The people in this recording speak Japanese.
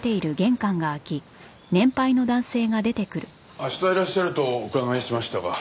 明日いらっしゃるとお伺いしましたが。